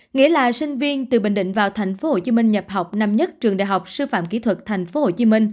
nghĩa là sinh viên từ bình định vào tp hcm nhập học năm nhất trường đại học sư phạm kỹ thuật tp hcm